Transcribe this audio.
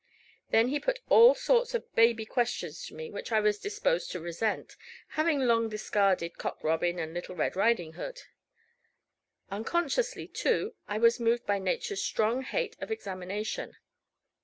Then he put all sorts of baby questions to me which I was disposed to resent, having long discarded Cock Robin and Little Red riding hood. Unconsciously too, I was moved by Nature's strong hate of examination.